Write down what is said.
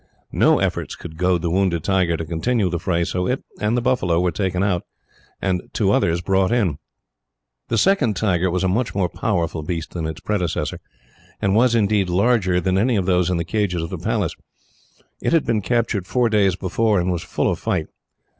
No efforts could goad the wounded tiger to continue the fray, so it and the buffalo were taken out, and two others brought in. The second tiger was a much more powerful beast than its predecessor, and was, indeed, larger than any of those in the cages of the Palace. It had been captured four days before, and was full of fight.